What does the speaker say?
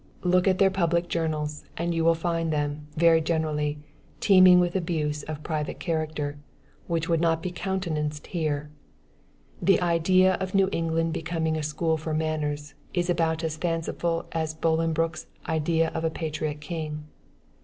Look at their public journals, and you will find them, very generally, teeming with abuse of private character, which would not be countenanced here. The idea of New England becoming a school for manners, is about as fanciful as Bolinbroke's "idea of a patriot king."